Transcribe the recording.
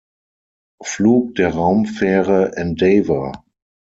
Flug der Raumfähre Endeavour.